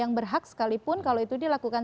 yang berhak sekalipun kalau itu dilakukan